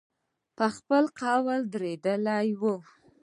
پر خپل قول درېدلی وای.